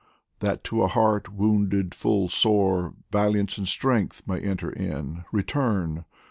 that to a heart wounded full sore Valiance and strength may enter in ; return